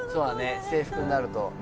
制服になると・